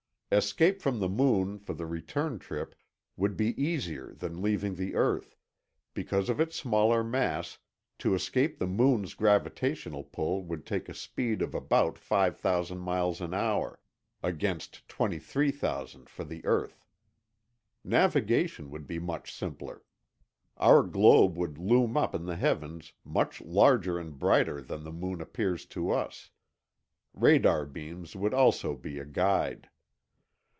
Escape from the moon, for the return trip, would be easier than leaving the earth; because of its smaller mass, to escape the moon's gravitational pull would take a speed of about 5,000 miles an hour, against 23,000 for the earth. Navigation would be much simpler. Our globe would loom up in the heavens, much larger and brighter than the moon appears to us. Radar beams would also be a guide.